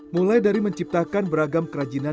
mulai dari menciptakan beragam kerajinan